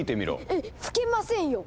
えっ吹けませんよ！